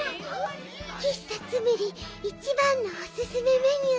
きっさツムリいちばんのおすすめメニュー